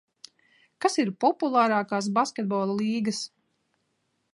Kas ir populārākās basketbola līgas?